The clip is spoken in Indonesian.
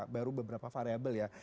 baru beberapa variable ya